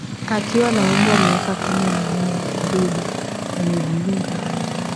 Akiwa na umri wa miaka kumi na nane Dube alijiunga